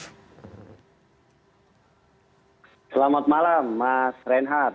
selamat malam mas reinhardt